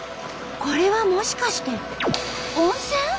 これはもしかして温泉？